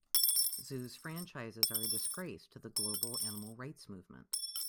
Zoos franchises are a disgrace to the global animal rights movement.